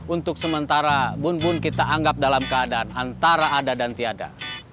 untuk sementara bunbun kita anggap dalam keadaan antara ada dan tiada